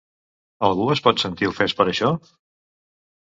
Algú es pot sentir ofès per això?